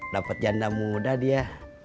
dapet janda muda dia